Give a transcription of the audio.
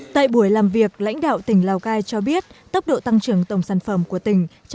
tại buổi làm việc lãnh đạo tỉnh lào cai cho biết tốc độ tăng trưởng tổng sản phẩm của tỉnh